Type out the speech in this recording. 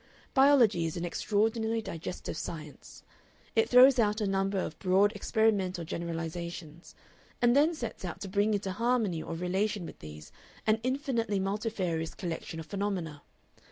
Biology is an extraordinarily digestive science. It throws out a number of broad experimental generalizations, and then sets out to bring into harmony or relation with these an infinitely multifarious collection of phenomena.